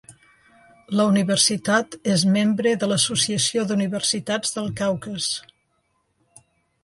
La universitat és membre de l'Associació d'Universistats del Caucas.